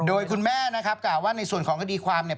โดยคุณแม่นะครับกล่าวว่าในส่วนของคดีความเนี่ย